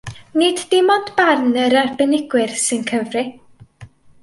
Nid dim ond barn yr arbenigwyr sy'n cyfri